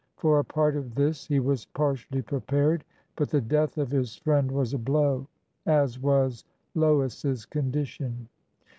For a part of this he was partially prepared, but the death of his friend was a blow, as was Lois's condition.